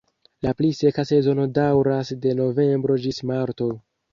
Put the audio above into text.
La pli seka sezono daŭras de novembro ĝis marto.